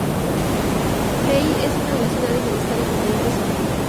Lehi es una de las ciudades del estado con mayor crecimiento.